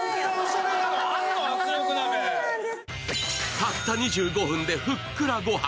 たった２５分でふっくらご飯。